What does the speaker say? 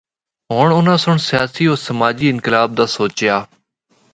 ہور اناں سنڑ سیاسی و سماجی انقلاب دا سوچیا۔